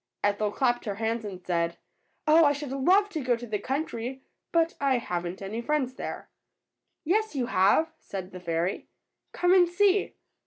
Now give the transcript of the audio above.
Ethel clapped her hands and said: ^^Oh, I should love to go to the country! but I haven't any friends there." '^Yes, you have," said the fairy, ^^come and see."